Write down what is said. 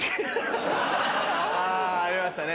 ありましたね